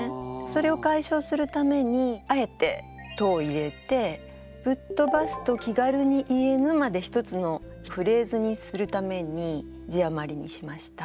それを解消するためにあえて「と」を入れて「ぶっとばすと気軽に言えぬ」まで１つのフレーズにするために字余りにしました。